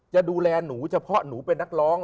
จะดูแลหนูเฉพาะหนูเป็นนักร้อง